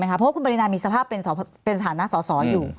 ไหมครับเพราะว่าคุณปรินามีสภาพเป็นสเป็นสถาณสสอยู่